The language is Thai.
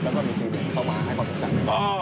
แล้วก็มีทีเข้ามาให้ปลอดภัย